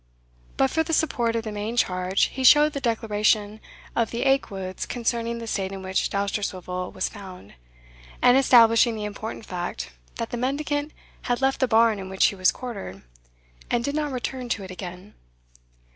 But for the support of the main charge, he showed the declaration of the Aikwoods concerning the state in which Dousterswivel was found, and establishing the important fact that the mendicant had left the barn in which he was quartered, and did not return to it again.